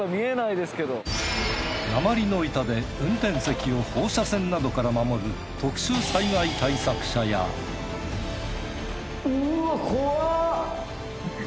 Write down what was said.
鉛の板で運転席を放射線などから守る特殊災害対策車やうわこわ。